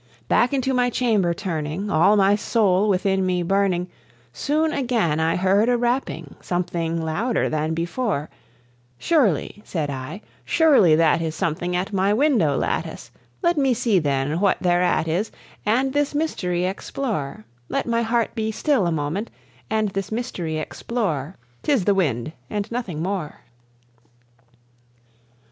Back into my chamber turning, all my soul within me burning, Soon again I heard a rapping, something louder than before: "Surely," said I, "surely that is something at my window lattice; Let me see, then, what thereat is, and this mystery explore Let my heart be still a moment, and this mystery explore. 'Tis the wind, and nothing more."